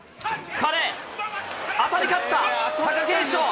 当たりかった、貴景勝。